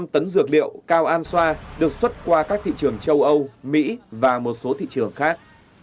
ba năm tấn dược liệu cao an xoa được xuất qua các thị trường châu âu mỹ và một số thị trường khác